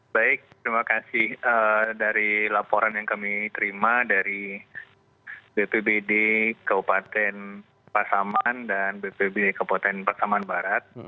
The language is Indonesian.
baik terima kasih dari laporan yang kami terima dari bpbd kabupaten pasaman dan bpbd kabupaten pasaman barat